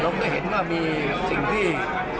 เราก็เห็นว่ามีสิ่งที่